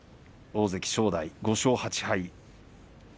大関正代５勝８敗。